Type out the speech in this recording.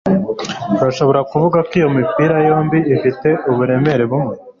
urashobora kuvuga ko iyo mipira yombi ifite uburemere bumwe